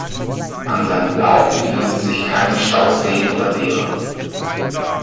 An seinem Lauf befinden sich keine Stauseen oder Wehre.